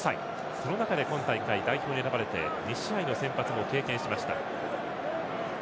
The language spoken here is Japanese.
その中で今大会、代表に選ばれて２試合の先発も経験しました。